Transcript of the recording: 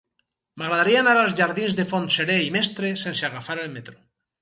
M'agradaria anar als jardins de Fontserè i Mestre sense agafar el metro.